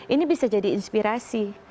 ini bisa jadi inspirasi